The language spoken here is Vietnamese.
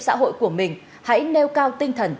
xã hội của mình hãy nêu cao tinh thần